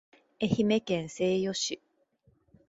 愛媛県西予市